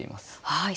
はい。